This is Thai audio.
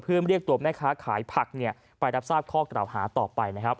เพื่อเรียกตัวแม่ค้าขายผักไปรับทราบข้อกล่าวหาต่อไปนะครับ